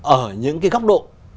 ở những cái góc độ